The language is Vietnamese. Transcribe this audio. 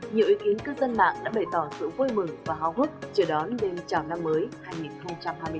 nhiều ý kiến cư dân mạng đã bày tỏ sự vui mừng và hào hức chờ đón đêm chào năm mới hai nghìn hai mươi bốn